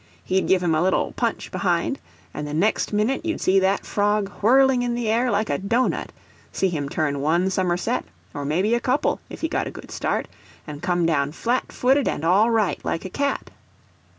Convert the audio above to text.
He'd give him a little punch behind, and the next minute you'd see that frog whirling in the air like a doughnut—see him turn one summerset, or may be a couple, if he got a good start, and come down flat footed and all right, like a cat.